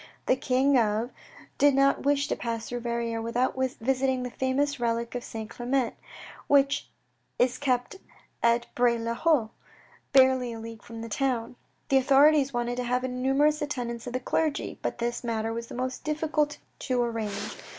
The King of did not wish to pass through Verrieres without visiting the famous relic of St. Clement, which is kept at Bray le Haut' barely a league from the town. The authorities wanted to have a numerous attendance of the clergy, but this matter was the most difficult to arrange.